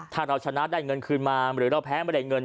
ถ้าเราชนะได้เงินคืนมาหรือเราแพ้ไม่ได้เงิน